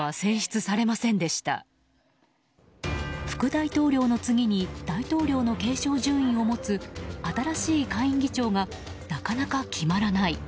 副大統領の次に大統領の継承順位を持つ新しい下院議長がなかなか決まらない。